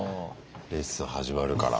レッスン始まるから。